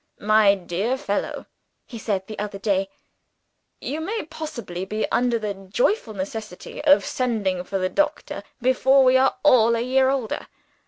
'My dear fellow,' he said the other day, 'you may possibly be under a joyful necessity of sending for the doctor, before we are all a year older.